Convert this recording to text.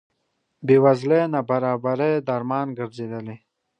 بې وزلۍ نابرابرۍ درمان ګرځېدلي.